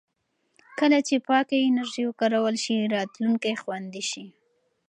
کله چې پاکه انرژي وکارول شي، راتلونکی خوندي شي.